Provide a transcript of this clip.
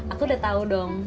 aku udah tahu dong